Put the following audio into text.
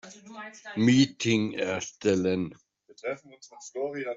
Meeting erstellen.